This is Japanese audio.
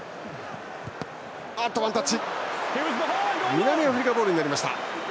南アフリカボールになりました。